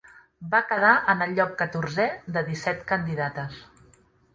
Va quedar en el lloc catorzè de disset candidates.